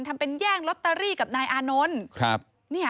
ทำเป็นแย่งลอตเตอรี่กับนายอานนท์